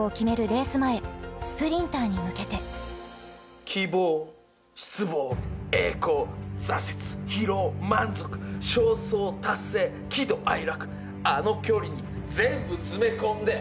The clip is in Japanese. レース前スプリンターに向けて「希望失望栄光挫折」「疲労満足焦燥達成喜怒哀楽」「あの距離に全部つめ込んで」